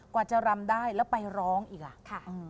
กว่าจะรำได้แล้วไปร้องอีกล่ะ